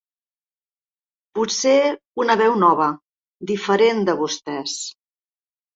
Potser una veu nova, diferent de vostès.